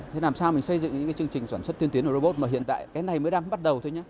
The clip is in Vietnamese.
thế làm sao mình xây dựng những cái chương trình sản xuất tiên tiến robot mà hiện tại cái này mới đang bắt đầu thôi nhé